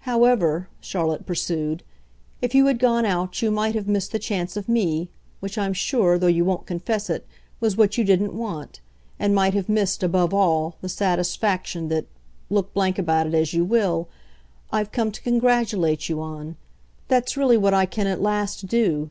However," Charlotte pursued, "if you had gone out you might have missed the chance of me which I'm sure, though you won't confess it, was what you didn't want; and might have missed, above all, the satisfaction that, look blank about it as you will, I've come to congratulate you on. That's really what I can at last do.